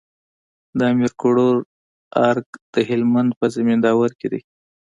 د امير کروړ ارګ د هلمند په زينداور کي دی